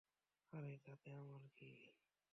আরে, তাতে আমার কী?